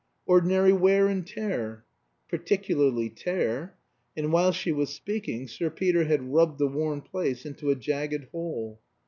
"Ordinary wear and tear." "Particularly tear." And while she was speaking Sir Peter had rubbed the worn place into a jagged hole.